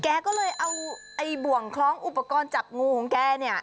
แกก็เลยเอาบ่วงคล้องอุปกรณ์จับงูของแก